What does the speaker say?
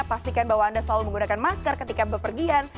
pastikan bahwa anda selalu menggunakan masker ketika berpergian